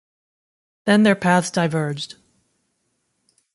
Then their paths diverged.